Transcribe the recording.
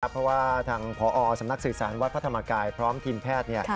เพราะว่าทางพอสำนักสื่อสารวัดพระธรรมกายพร้อมทีมแพทย์